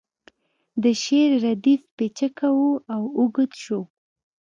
د شعر ردیف پیچکه و او اوږد شو